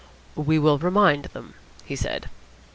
"We will remind them," he said.